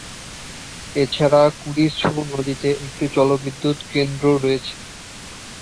এছাড়া কুড়ি ছু নদীতে একটি জলবিদ্যুৎ কেন্দ্র রয়েছে।